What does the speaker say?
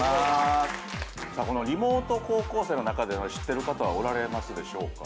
さあリモート高校生の中で知ってる方はおられますでしょうか？